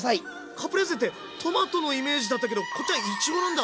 カプレーゼってトマトのイメージだったけどこっちはいちごなんだ！